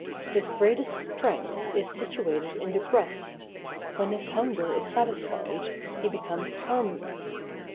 His greatest strength is situated in the breast. When his hunger is satisfied, he becomes harmless.